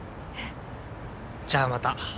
じゃあまた。